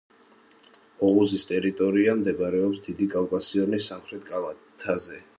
ოღუზის ტერიტორია მდებარეობს დიდი კავკასიონის სამხრეთ კალთაზე.